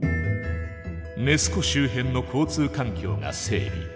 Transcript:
ネス湖周辺の交通環境が整備。